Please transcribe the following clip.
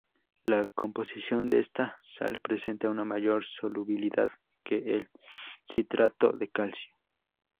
La composición de esta sal presenta una mayor solubilidad que el citrato de calcio.